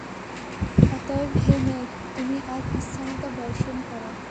অতএব হে মেঘ, তুমি আজ ইচ্ছামত বর্ষণ কর।